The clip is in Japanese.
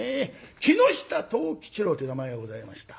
木下藤吉郎という名前がございました。